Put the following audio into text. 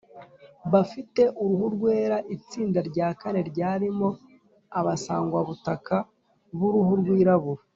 bafite uruhu rwera; itsinda rya kane, ryarimo abasangwabutaka b’uruhu rwirabura